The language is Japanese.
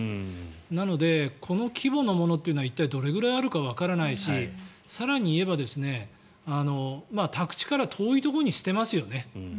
なのでこの規模のものというのは一体、どれぐらいあるかわからないし更に言えば宅地から遠いところに捨てますよね。